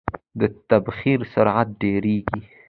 د تبخیر سرعت ډیریږي.